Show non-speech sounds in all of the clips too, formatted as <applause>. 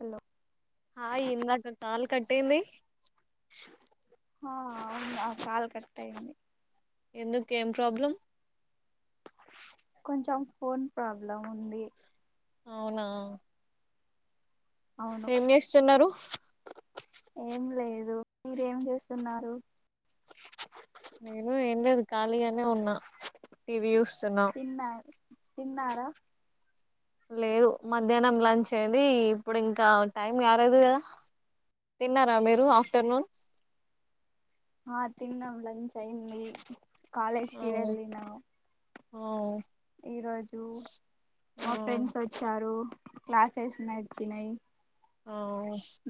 Hello హా ఇందాక call కట్టంది హా అవును అ కాల్ కట్తయింది ఎందుకు ఏం ప్రాబ్లం కొంచెం ఫోన్ ప్రాబ్లం ఉంది అవునా అవును ఏం చేేస్తున్నరు ఏం లేదు మీరేం చేస్తున్నారు నేను ఎం లేదు ఖాళీగనే ఉన్నా టీవీ చూస్తున్నా తిన్నార లేదు మధ్యాహ్నం లంచ్ అయ్ది ఇప్పుడు ఇంకా టైం కారేదు కదా తిన్నారా మీరు ఆఫ్టర్నూన్ ఆ తిన్నాం లంచ్ అయింది కాలేజ్ కి వెళ్ళినా ఓ ఈ రోజు మా ఫ్రెండ్స్ వచ్చారు క్లాసెస్ నచ్చినయి ఆ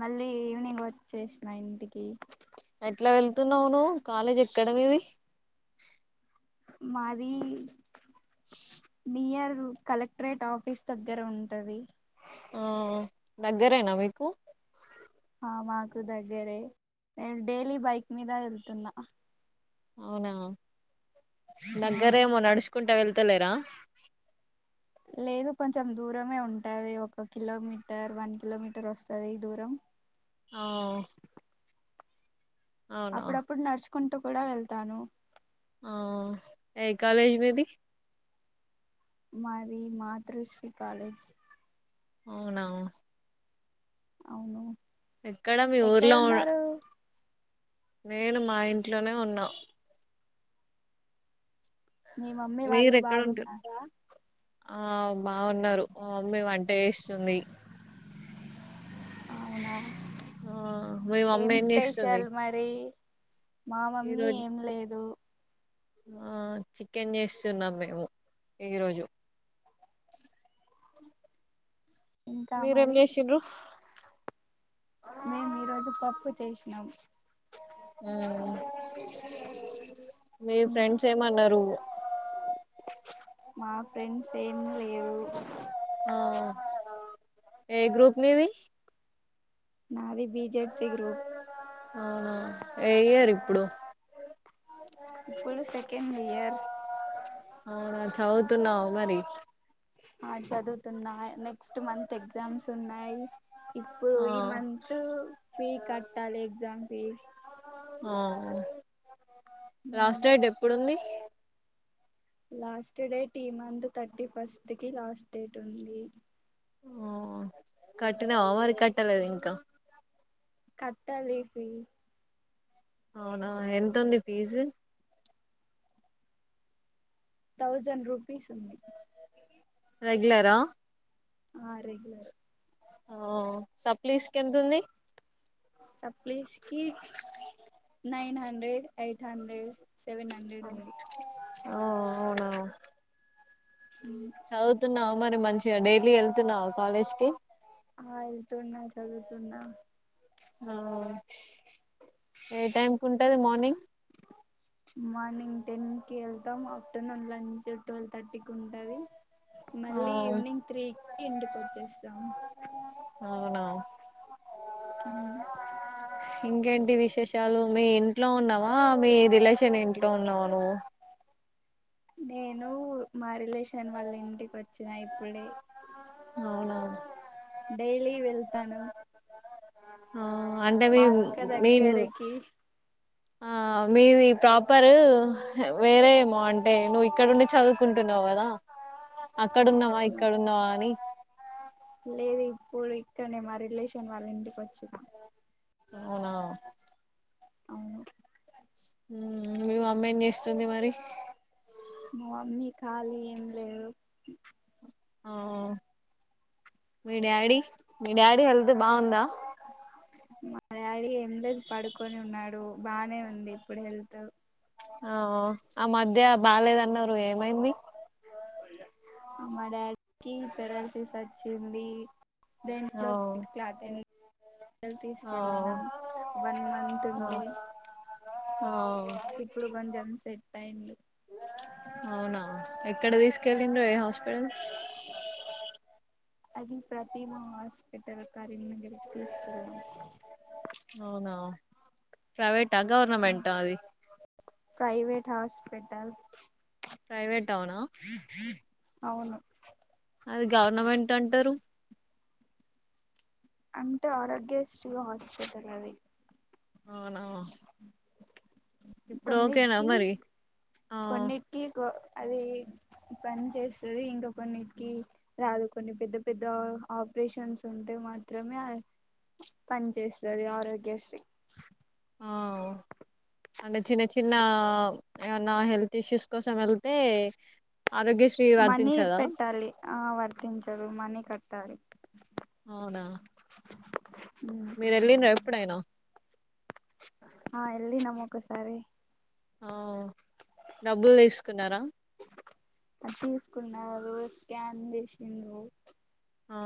మళ్ళీ ఈ వినింగ్ వచ్చేసిన ఇంటికి ఎట్ల వెళ్తున్నావు నువ్వు కాలేజ్ ఎక్కడ నీది మాది న్యూయర్ కలెక్టరేట్ ఆఫీస్ దగ్గర ఉంటది ఆ దగ్గరేనా మీకు ఆ మాకు దగ్గరే నేను డైలీ బైక్ మీద వెళ్తున్నా అవునా ఆ నగ్గరేమ నడుస్ కుంటా వెళ్తలేరా లేదు కొంచెం దూరమే ఉంటది ఒక కిలోమీటర్ వన్ కిలోమీటర్ వస్తుంది ఈ దూరం ఆఓ అప్పుడప్పుడు నడుచు కుంటూ కూడా వెళ్తాను ఆ ఏ కాలేజ్ మీది మాది మాతృశ్రీ కాలేజ్ అవునా అవును ఎక్కడ మీ ఊర్లో ఎక్కడున్నారు నేను మా ఇ ఇంట్లోనే ఉన్నాం మీ మమ్మీ వాళ్ళు మీరెక్కడ ఉంటురు బాగున్నారా ఆ బాగున్నారు మేము వంట చేస్తుంది అవునా ఆ మీ ఏం మమ్మీ చేస్తుంది స్పెషల్ మరి మా మమ్మీ ఈరోజు ఏం లేదు ఆ చికెన్ చేస్తున్నాం మేము ఈ రోజు ఇంకా మీరేం మరి చేసిరి మేము ఈ రోజు పప్పు చేసాం నవు మ్మ్ మీ ఉమ్, ఫ్రెండ్స్ ఏమన్నారు మా ఫ్రెండ్స్ ఏం లేదు ఆ ఏ గ్రూప్ నీది నాది బెజెడ్సీ గ్రూప్ అవున ఏ ఇయర్ ఇప్పుడు ఇప్పుడు సెకండ్ ఇయర్ అవునా చదువుతున్నావు మరి ఆ చదువుతున్నా నెక్స్ట్ మంత్ ఎగ్జామ్స్ ఉన్నాయి ఇప్పుడు ఆ ఈ మంత్ ఫీ కట్టాలి ఎగ్జామ్ ఫీ ఆ లాస్ట్ డేట్ ఎప్పుడుంది లాస్ట్ డేట్ ఈ మంత్ థర్టీ ఫస్ట్ కి లాస్ట్ డేట్ ఉంది ఆ కట్టినవా మరి కట్టలేదు ఇంకా కట్టాలిపియి అవునా ఎంతుంది ఫీజు థౌజండ్ రూపీస్ ఉంది రెగలరా ఆ రెగులరు ఆ సప్లీస్ కెంత ఉంది సప్లీస్కి nine hundred eight hundred seven hundred ఉంది ఆ అవునా చదువుతున్నావు మరి మంచిగా డైలీ వెళ్తున్నా కాలేజ్ కి ఆ ఎల్తున్నా చదువుతుూన్నా ఆ ఏ టైం ఉంటుంది మార్నింగ్ మార్నింగ్ టెన్ కి వెళ్తాం ఆఫ్టర్నూన్ లంచ్ ట్వెల్వ్ థర్టీకి ఉంటుంది మళ్ళీ ఈవినింగ్ త్రీకి ఇంటికి వచ్చేస్తాం అవునా ఉమ్ ఇంకేంటి విశేషాలు మీ ఇంట్లో ఉన్నావా మీ రిలేషన్ ఇంట్లో ఉన్నావా నువ్వు నేను మా రిలేషన్ వాళ్ళ ఇంటికి వచ్చినా ఇప్పుడే అవునా డైలీ వెళ్తాను ఆ ఆ అంటే మీ మా అక్క మీ దగ్గరకి ఆ మీది ప్రాపరు వేరేమో అంటే నువ్వు ఇక్కడండి చదువుకుంటున్నావు కదా అక్కడున్నావా అవును ఇక్కడున్నావా అని లేదు ఇప్పుడు ఇక్కనే మా రిలేషన్ వాళ్ళ ఇంటికి వచ్చిదా అవునా అవును మీ మమ్మీ ఎంచేస్తుంది మరి మా మమ్మీ ఖళీ ఏం లేదు ఆ మీ డాడీ మీ డాడీ హెల్త్ బాగుందా మా డాడీ ఎండకు పడుకొని ఉన్నాడు బానే ఉంది ఇప్పుడు హెల్త్ ఆ ఆ మధ్య బాగాలేద అన్నారు ఏమైంది మా డాడీకి పెరాలసిస్ వచ్చింది ఆ దేంట్లో బ్లడ్ క్లాట్ <unintelligible> ఆ తీసుకెళ్ళినాం వన్ మంత్ ఆ ఉండి ఆ సెట్ అయింది అవునా ఎక్కడ దీసుకెళ్ళిండ్రి ఏ హాస్పిటల్ అది ప్రతిమా హాస్పిటల్ కరీమ్ నగర్ తీసుకెళ్లాం ప్రైవేట్ టా గవర్నమెంటా అది పెటల్ ప్రైవేట్ అవునా అవును అది గవర్నమెంట్ అంటరు అంటే ఆరోగ్య స్రీ హాస్పిటల్ అది అవునా ఇప్పుడు ఓకేనా కొన్నిటికి మరి ఆ కొన్నిటికి కొ అది పని చేస్తది ఇంకా కొన్నిటికి రాదు కొన్ని పెద్ద పెద్ద ఆపరేషన్స్ ఉంటే మాత్రమే పని చేస్తది ఆరోగ్యశ్రీ ఆ అంటే చిన్న చిన్న ఏమన్నా హెల్త్ ఇష్యూస్ కోసం వెళ్తే ఆరోగ్యశ్రీ మనీ వర్తించదా పెట్టాలి ఆ వర్తించదు మనీ కట్ట కట్టాలి అవునా మీరు ఎళ్లిండ్రా ఎప్పుడైనా ఆ ఎళ్లినాం ఒక సారి ఆ డబ్బులు తీసుకున్నారా ఆ స్కాన్ జేసిండ్రు ఆ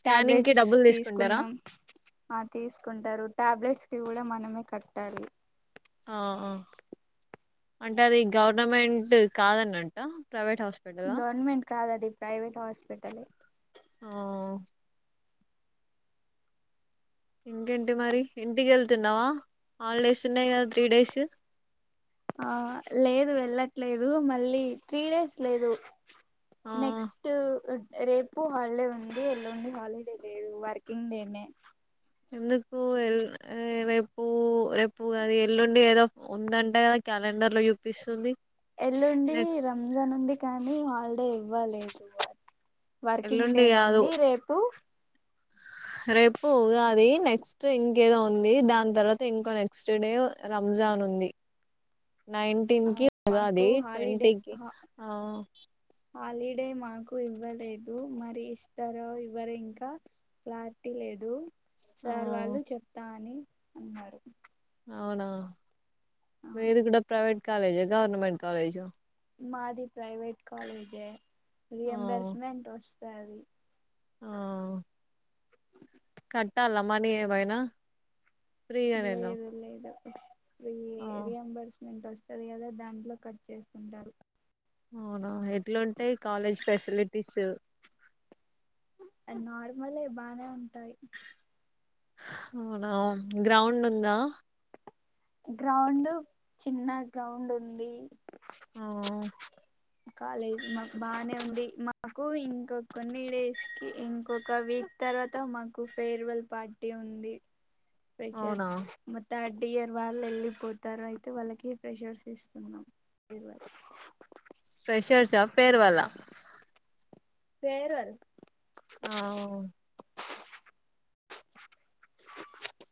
స్కానింగ్ కి టాబ్లెట్స్ డబ్బులు తీసుకుంటారా తీసుకున్నాం ఆ తీసుకుంటారు టాబ్లెట్స్ గూడా మనమే కట్టాలి ఆ ఆ అంటే అది గవర్నమెంట్ కాదన్నంట గవర్నమెంట్ కాదు అది ప్రైవేట్ హాస్పిటలే ఆ ఇంకేంటి మరి ఇంటికి ఎళ్తున్నావా ఆహాలిడేస్ ఉన్నాయి గదా త్రీ డేస్ ఆ లేదు వెళ్ళట్లేదు మళ్ళీ త్రీ డేస్ లేదు ఆ నెక్స్టూ రేపు హాలిడే ఉంది ఎల్లుండి హాలిడే లేదు వర్కింగ్ డేనే ఎందుకు రేపు రేపు అది ఎల్లుండి ఏదో ఉందంటే కదా క్యాలెండర్ లో చూపిస్తుంది ఎల్లుండి నెక్స్ట్ రంజాన్ ఉంది కానీ హాలిడే ఇవ్వలేదు వాళ్ వర్కింగ్ ఎల్లుండి డేనె కాదు ఉంది రేపు రేపు ఉగాది, నెక్స్ట్ ఇంకేదో ఉంది, దాని తర్వాత ఇంకో నెక్స్ట్ డే రంజాన్ నుంది. నైన్టీన్ కి ఉగాది మాకు హాలిడే ట్వంటీకి ఆ హాలిడే మాకు ఇవ్వలేదు. మరి ఇస్తారో ఇవ్వరో ఇంకా క్లారిటీ లేదు. ఆ సార్ వాళ్ళు చెప్తా అని అన్నారు అవునా ఆ మీది గూడ ప్రైవేట్ కాలేజి గవర్నమెంట్ కాలేజ్ మాది ప్రైవేట్ కాలేజే ఆ రియంబర్స్మెంట్ వస్ సరి ఆ ఉంటాల్లమని ఏమైనా ఫ్రీగా వెళ్ళు <unintelligible> రి రియంబర్స్ మెంట్ వస్తది గదా దాంట్లో కట్ చేసుకుంటారు. అవునా ఎట్లుంటాయి కాలేజ్ ఫెసిలిటీస్ నార్మలే బానే ఉంటాయి. అవునా గ్రౌండ్ ఉందా గ్రౌండ్ చిన్న గ్రౌండ్ ఉంది. ఆ కాలేజ్ మాకు బానే ఉంది. మాకు ఇంకొ కొన్ని డేస్ కి, ఇంకొక వీక్ తర్వాత మాకు ఫేర్వెల్ పార్టీ ఉంది. ఫ్రెషర్స అవునా మోత్త టియర్ వాళ్ళు ఎళ్ళిపోతారు. అయితే వాళ్ళకి ప్రెషర్స్ ఇస్తున్నాం. ఏడవా ఫ్రెషర్స్ ఆ ఫేర్వాలా ఫేర్వెల్ ఆ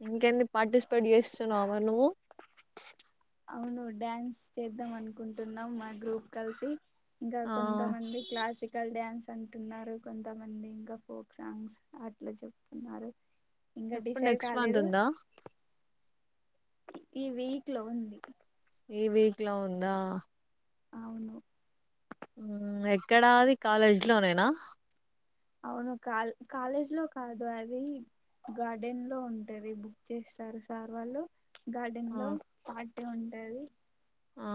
ఇంకెంది. పాటిస్పేట్ చేస్తున్నావ, మరి నువ్వు. అవును డ్యాన్స్ చేద్దాం అనుకుంటున్నాం. మా గ్రూప్ కలిసి ఇంకా ఆ కొంతమంది క్లాసికల్ డ్యాన్స్ అంటున్నారు కొంతమంది, ఇంకా ఫోక్ సాంగ్స్ అట్లా చెప్తున్నారు. ఇంకా ఎప్పుడు డిసైడ్ నెక్స్ట్ మంత్ కాలేదు ఉందా ఈ వీక్ లో ఉంది ఈ వీక్లా ఉందా అవును ఉ ఎక్కడాది కాలేజ్లో నేనా అవున, కాల్ కాలేజ్ లో, కాదు అది గార్డెన్ లో ఉంటది. బుక్ చేస్తారు సార్ వాళ్ళు. గార్డెన్ ఆ లో పా అే ఉంటాది ఆ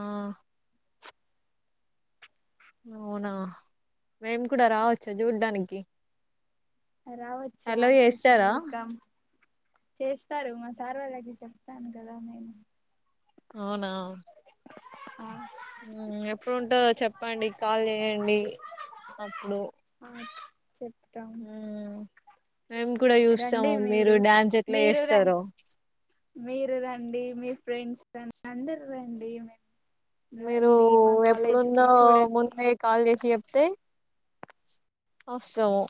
అవునా మేము కూడా రావచ్చా చూడ్డానికి రావచ్చు అలో ఆల్వేస్ చేస్తారా వెల్కమ్ చేస్తారు మ సార్వలైతే చెప్తాను కదా నే ను అవునా ఆ ఉమ్ ఎప్పుడుంటదో చెప్పండి కాల్ చే్యండి అప్పుడు చెప్ మేము కూడా చూస్తాము మీరు డ్యాన్స్ ఎట్లా మీరు ర చేస్తారో మీరు రండి మీ ఫ్రెండ్స్ రండి అందరు రండి మే మీరు ఎప్పుడుందో చూడండి ముందే కాల్ చేసి చెప్ తే వస్తము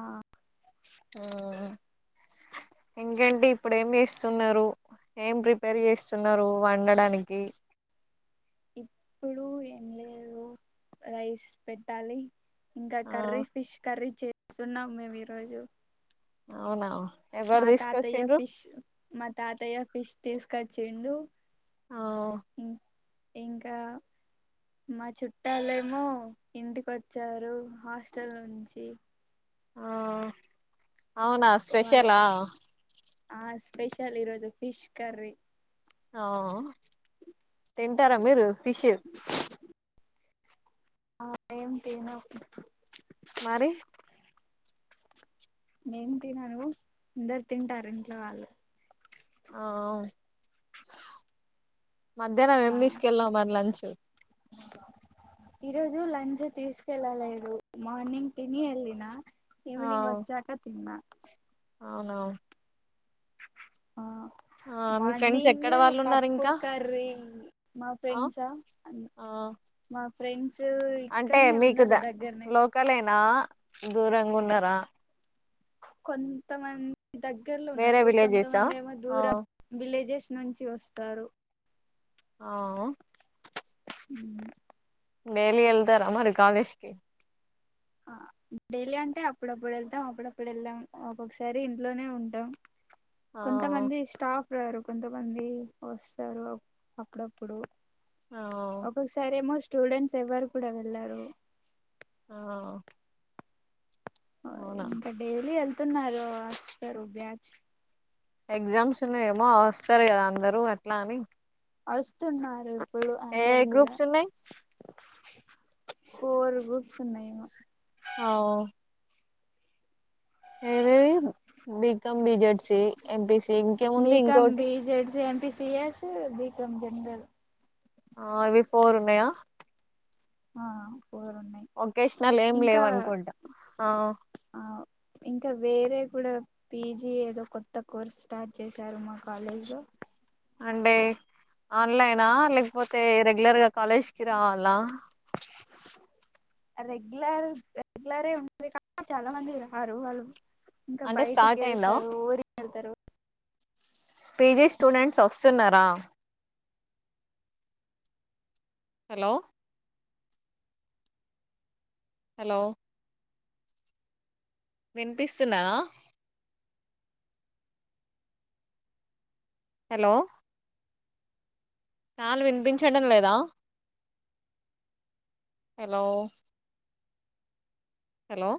ఆ ఆ ఇంగెంటి ఇప్పుడు ఏం చేస్తున్నారు ఏం ప్రిపేర్ చేస్తున్నారు వండడానికి ఇప్పుడు ఏం లేదు రైస్ పెట్టాలి ఇంకా ఆ కర్రీ ఫిష్ కర్రీ చే స్తున్నాం మేము ఈ రోజు అవునా ఎవరు మా తాతయ తీసుకొచ్చిండ్రు ఫిష్ మా తాతయ ఫిష్ తీసుకొచిమ్ డు ఆ ఇంకా మా చుట్టాలేమో ఇంటికి వచ్చారు హాస్టల్ నుంచి ఆ అవునా వాళ్ళ స్పెషలా ఆ స్పెషల్ ఇరోజూ ఫిష్ కర్రీ ఆ తింటారా మీరు ఫిష్ ఆ మేం తినం మరి నేన్ తినను అందరు తింటారు ఇంట్లో వాళ్ళు ఆ మధ్యాహ్నం ఏం తీసుకెళ్ళాం మరి లంచ్ ఈరోజు లంచ్ తీసుకెళ్ళలేదు మార్నింగ్ తిని వెళ్ళిన ఈవ్నింగ్ వచ్చాక తిన్నా అవునవును ఆ మీ ఫ్రెండ్స్ మార్నింగ్ ఎక్కడ వాళ్ళు ఉన్నారు పప్పు ఇంకా కర్ర మా ఆ ఫ్రెండ్స్ ఆ మా ఫ్రెండ్స్ అంటే ఇక్కడనే మీకు ఉన్నారు ద దగ్గరనే లోకలేనా నా దూరంగా ఉన్నరా కొంతమంది దగ్గర్లో వేరే ఉన్నారు విలేజెసా కొంతమంది ఏమో ఆ దూరం విలేజెస్ నుంచి వస్తారు ఆ అ మేలిలుదార మరి కాలేజకి ఆ డైలీ అంటే అప్పుడప్పుడు వెళ్తాం అప్పుడప్పుడు వెళ్దాం ఒక్కొక్కసారి ఇంట్లోనే ఉంటాం ఆ కొంత మంది ఇష్టా ఇరు కొంతమంది వస్తారు అప్పుడప్పుడు ఆ ఒక్కొక్కసారిమోస్ట్ స్టూడెంట్స్ ఎవ్వరు కూడా వెళ్లరు ఆ అవునా ఇకా డైలీ అల్ నా ర స బ్యాజ ఎగ్జామ్స్ ఉన్నా ఏమో వస్తారు కదా అందరుూ ఎట్లా అని వస్తున్నారు ఇప్పుడు ఏ అందరు కూడా గ్రూప్స్ ఉన్నాయి ఫోర్ గ్రూప్స్ ఉన్నాయమో ఆ, ఏ బీకం బిజెడ్స్ బమ్ బిజెడ్ సి ఎంపీ సిఎస్ బ మత్తం జన్ ఆ ఇవి ఫోర్ ఉన్నాయా ఆ ఫోర్ ఉన్నాయి ఒకేషనల్ ఏం ఇంకా లేవనుకుంటా ఆ ఆ ఇంకా వేరే కూడా పీజీ ఏదో కొత్త కోర్స్ స్టార్ట్ చేశారు మా కాలేజ్ లో అంటే అన్లయినా లేకపోతే రెగ్యులర్ గా కాలేజ్ కి రావాలా రెగ్యులర్ రెగ్యులరే ఉంటుంది కా చాలా మంది ఇరు వాళ్ళు ఇంకా అంటే బయటకి స్టార్ట్ అయిందా వెళ్తారు ఊరి వెళ్తారు పీజీ స్టూడెంట్స్ వస్తున్నారా హలో హలో వినిపిస్తున్నానా హలో చాలు వినిపించడం లేదా హెలో హెలో